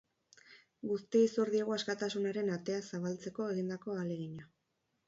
Guztiei zor diegu askatasunaren atea zabaltzeko egindako ahalegina.